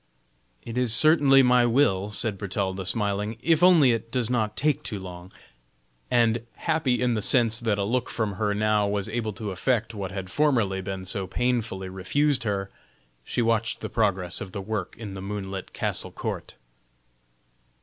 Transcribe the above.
"It is certainly my will," said Bertalda, smiling, "if only it does not take too long." And, happy in the sense that a look from her now was able to effect what had formerly been so painfully refused her, she watched the progress of the work in the moonlit castle court.